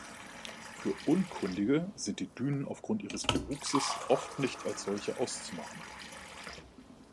Für Unkundige sind die Dünen aufgrund ihres Bewuchses oft nicht als solche auszumachen.